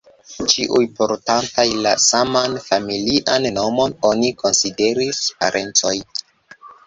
Ĉiuj, portantaj la saman familian nomon, oni konsideris parencoj.